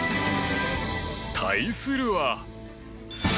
対するは。